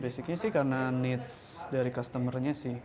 basicnya sih karena needs dari customer nya sih